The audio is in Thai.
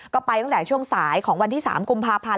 ก็ไปตั้งแต่ช่วงสายของวันที่๓กุมภาพันธ์